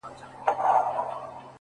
• د دنیا له کوره تاته ارمانجن راغلی یمه,